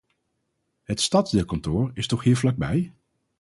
Het stadsdeelkantoor is toch hier vlakbij?